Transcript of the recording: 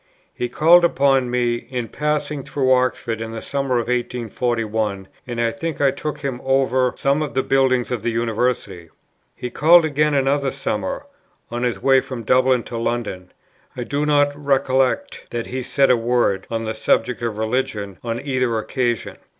He called upon me, in passing through Oxford in the summer of 1841, and I think I took him over some of the buildings of the University. He called again another summer, on his way from Dublin to London. I do not recollect that he said a word on the subject of religion on either occasion.